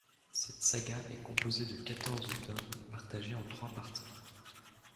Cette saga est composée de quatorze tomes, partagés en trois parties.